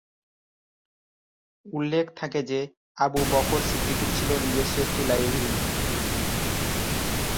উল্লেখ থাকে যে, আবু বকর সিদ্দিকীর ছিল নিজস্ব একটি লাইব্রেরী।